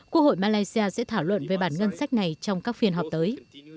quốc hội malaysia sẽ thảo luận về bản ngân sách này trong các phiên họp tới